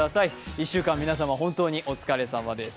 １週間皆様本当にお疲れさまです。